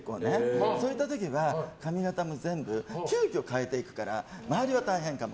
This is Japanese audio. そういった時は髪形も全部急きょ変えていくから周りは大変かも。